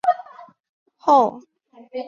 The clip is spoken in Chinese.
后来他任华北政务委员会委员。